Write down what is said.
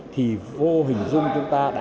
thì vô hình dung chúng ta đã